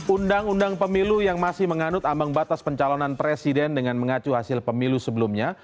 undang undang pemilu yang masih menganut ambang batas pencalonan presiden dengan mengacu hasil pemilu sebelumnya